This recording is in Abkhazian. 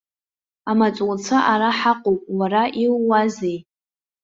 Амаҵуцәа ара ҳаҟоуп, уара иууазеи.